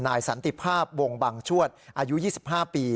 สันติภาพวงบังชวดอายุ๒๕ปี